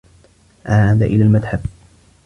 عاد إلى المتحف.